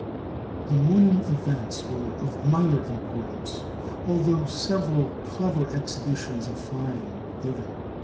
The morning events were of minor importance, although several clever exhibitions of flying were given.